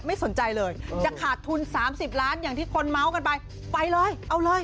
ไม่สนใจเลยจะขาดทุน๓๐ล้านอย่างที่คนเมาส์กันไปไปเลยเอาเลย